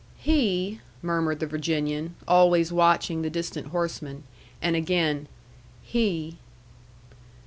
"He," murmured the Virginian, always watching the distant horsemen; and again, "he."